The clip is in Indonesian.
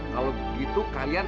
kalau begitu kalian